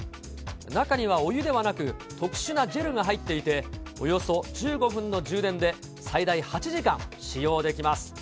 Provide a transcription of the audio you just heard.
中にはお湯ではなく、特殊なジェルが入っていて、およそ１５分の充電で、最大８時間使用できます。